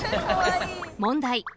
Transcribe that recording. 問題。